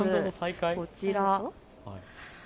こちら。